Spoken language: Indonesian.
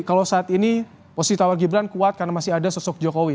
kalau saat ini posisi tawar gibran kuat karena masih ada sosok jokowi